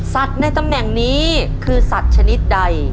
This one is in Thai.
ในตำแหน่งนี้คือสัตว์ชนิดใด